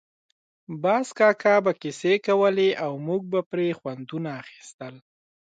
باز کاکا به کیسې کولې او موږ به پرې خوندونه اخیستل.